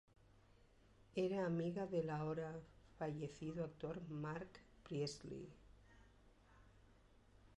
Era amiga del ahora fallecido actor Mark Priestley.